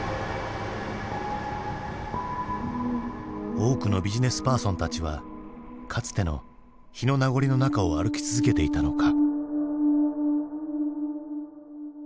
多くのビジネスパーソンたちはかつての日の名残の中を歩き続けていたのか。